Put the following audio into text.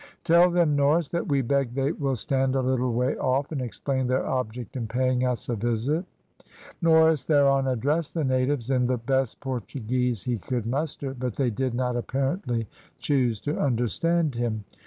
"Tell them, Norris, that we beg they will stand a little way off, and explain their object in paying us a visit." Norris thereon addressed the natives in the best Portuguese he could muster, but they did not apparently choose to understand him.